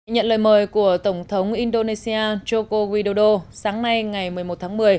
nhận lời mời của tổng thống indonesia joko widodo sáng nay ngày một mươi một tháng một mươi